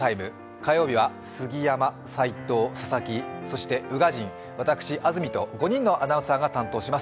火曜日は杉山、齋藤、佐々木、そして宇賀神、私・安住と５人のアナウンサーが担当します。